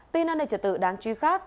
tin ăn đầy trật tự đáng truy khắc